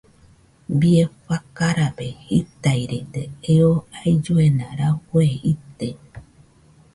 Bie fakarabe jitairede eo ailluena rafue ite.